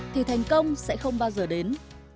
thì thành công sẽ không bao giờ đến